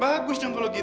ada yang peduli